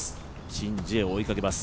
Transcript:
シン・ジエを追いかけます。